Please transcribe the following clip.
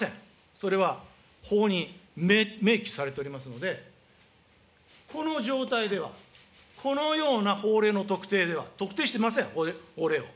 それは法に明記されておりますので、この状態では、このような法令の特定では、特定してません、法令を。